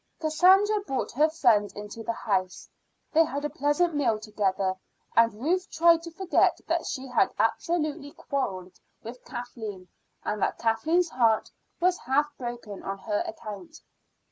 Cassandra brought her friend into the house. They had a pleasant meal together, and Ruth tried to forget that she had absolutely quarrelled with Kathleen, and that Kathleen's heart was half broken on her account.